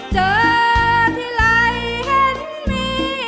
เจอที่ไหล่เห็นมี